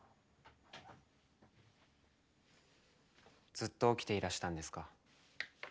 ずっと起きていらしたんですか？